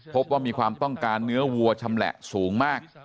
พบว่ามีความต้องการเนื้อวัวชำแหละสูงมาก